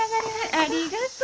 ありがとう。